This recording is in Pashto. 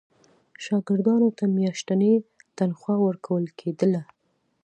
شاګردانو ته میاشتنی تنخوا ورکول کېدله.